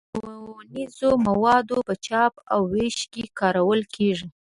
پښتو د ښوونیزو موادو په چاپ او ویش کې کارول کېږي.